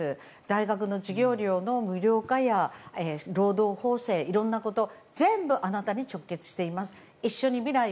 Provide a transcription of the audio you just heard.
大学の授業料の無料化や労働法制いろんなこと全部あなたに直結しています。